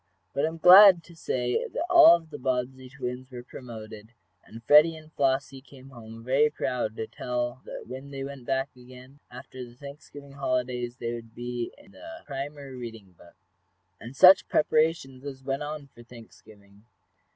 But I am glad to say that all of the Bobbsey twins were promoted, and Freddie and Flossie came home very proud to tell that when they went back again, after the Thanksgiving holidays, they would be in the primer reading book. And such preparations as went on for Thanksgiving!